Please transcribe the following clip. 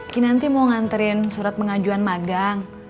ki nanti mau nganterin surat pengajuan magang